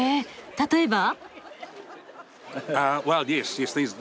例えば？